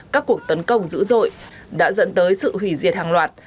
các cuộc tấn công dữ dội đã dẫn tới sự hủy diệt hàng loạt